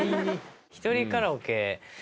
ひとりカラオケ。